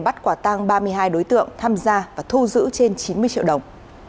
bắt quả tang ba mươi hai đối tượng tham gia và thu giữ trên chín mươi triệu đồng